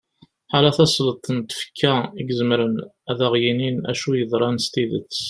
ḥala tasleḍt n tfekka i izemren ad aɣ-yinin acu yeḍran s tidet